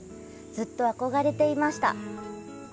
ずっと憧れていました！